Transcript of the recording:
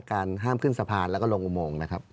การห้ามขึ้นสะพานแล้วก็ลงอุโมงนะครับ